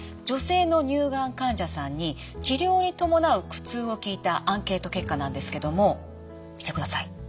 女性の乳がん患者さんに治療に伴う苦痛を聞いたアンケート結果なんですけども見てください。